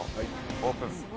オープン。